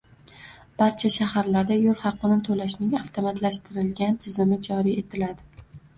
Barcha shaharlarda yo‘l haqi to‘lashning avtomatlashtirilgan tizimi joriy etiladi